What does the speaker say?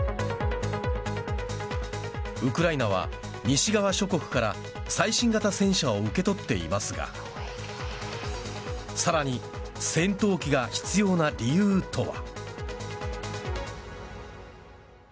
ウクライナは西側諸国から最新型戦車を受け取っていますがさらに戦闘機が必要な理由とは。